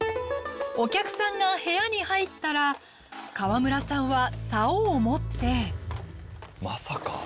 お客さんが部屋に入ったら河村さんはさおを持って。